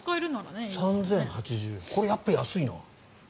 これ、やっぱ安いな。